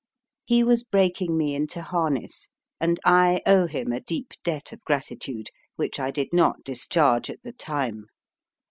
He was breaking me into harness, and I owe him a deep debt of gratitude, w r hich I did not discharge at the time.